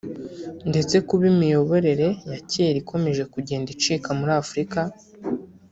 ndetse kuba imiyoborere ya kera ikomeje kugenda icika muri Afurika